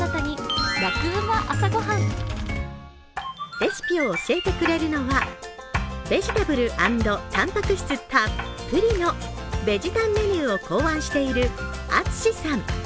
レシピを教えてくれるのは、ベジタブル＆たんぱく質たっぷりのベジたんメニューを考案しているＡｔｓｕｓｈｉさん。